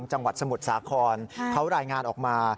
จังหวัดสมุทรสาครเขารายงานออกมา